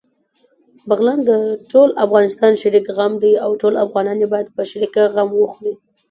بغلان دټول افغانستان شريک غم دی، او ټول افغانان يې باېد په شريکه غم وخوري